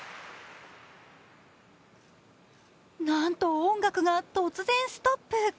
なんと、音楽が突然ストップ。